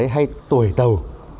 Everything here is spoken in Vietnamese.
hay tuổi tàu